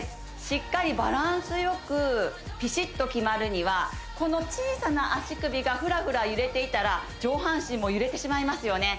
しっかりバランスよくピシッと決まるにはこの小さな足首がフラフラ揺れていたら上半身も揺れてしまいますよね